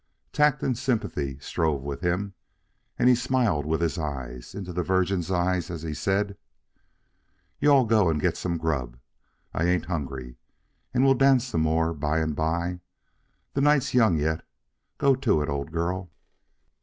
Tact and sympathy strove with him, and he smiled with his eyes into the Virgin's eyes as he said: "You all go and get some grub. I ain't hungry. And we'll dance some more by and by. The night's young yet. Go to it, old girl."